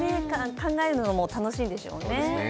考えるのが楽しいでしょうね。